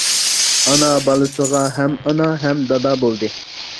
ئانا بالىسىغا ھەم ئانا، ھەم دادا بولدى.